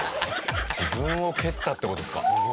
自分を蹴ったって事ですか。